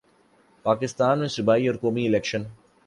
پاکستان میں صوبائی اور قومی الیکشن